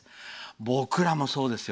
僕らもそうですよ。